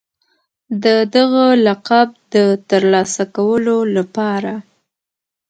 د دغه لقب د ترلاسه کولو لپاره